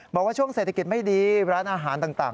บอกว่าช่วงเศรษฐกิจไม่ดีร้านอาหารต่าง